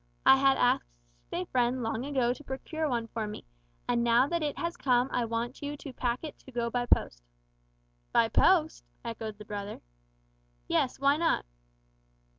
I had asked a friend long ago to procure one for me, and now that it has come I want you to pack it to go by post." "By post!" echoed the brother. "Yes, why not?"